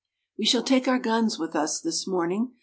WE shall take our guns with us this morning.